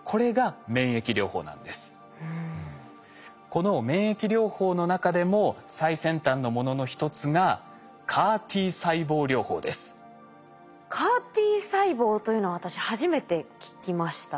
この免疫療法の中でも最先端のものの一つがＣＡＲ−Ｔ細胞というのは私初めて聞きました。